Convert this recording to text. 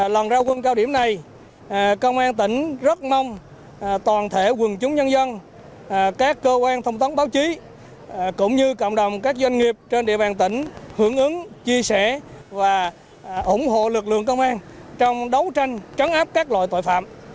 lần ra quân cao điểm này công an tỉnh rất mong toàn thể quần chúng nhân dân các cơ quan thông tấn báo chí cũng như cộng đồng các doanh nghiệp trên địa bàn tỉnh hưởng ứng chia sẻ và ủng hộ lực lượng công an trong đấu tranh trấn áp các loại tội phạm